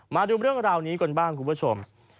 มาดูเรื่องราวนี้กันบ้างคุณผู้ชม